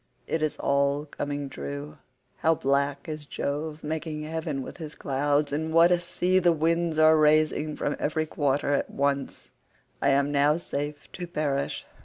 It is all coming true. How black is Jove making heaven with his clouds, and what a sea the winds are raising from every quarter at once. I am now safe to perish.